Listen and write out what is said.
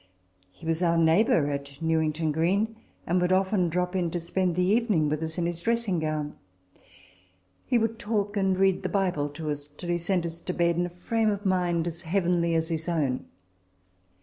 He was our neighbour (at Newington Green), and would often drop in, to spend the evening with us, in his dressing gown ; he would talk and read the Bible to us, till he sent us to bed in a frame of mind as heavenly as his own.